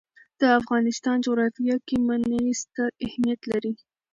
د افغانستان جغرافیه کې منی ستر اهمیت لري.